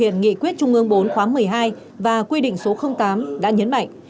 hiện nghị quyết trung ương bốn khóa một mươi hai và quy định số tám đã nhấn mạnh